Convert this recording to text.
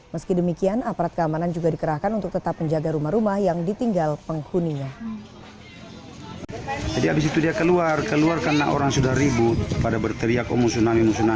meski demikian aparat keamanan juga dikerahkan untuk tetap menjaga rumah rumah yang ditinggal penghuninya